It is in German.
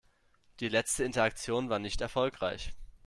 Die letzte Interaktion war nicht erfolgreich.